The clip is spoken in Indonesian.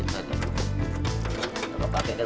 pakai dan buka kita ya